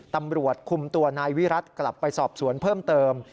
ตำรวจคุมตัวนายวิรัติกลับไปสอบสวนเพิ่มเติม